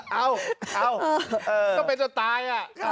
เอาเอาก็เป็นจุดตาย